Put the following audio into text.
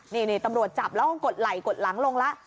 นี่ตำรวจจับแล้วก็กดไหล่กดหลังลงแล้ว